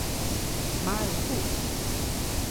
马尔库。